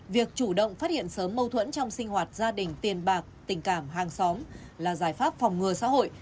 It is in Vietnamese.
việc chủ động phát hiện sớm mâu thuẫn trong sinh hoạt gia đình tiền bạc tình cảm hàng xóm là giải pháp phòng ngừa xã hội